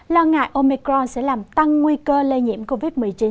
lo ngại omicro sẽ làm tăng nguy cơ lây nhiễm covid một mươi chín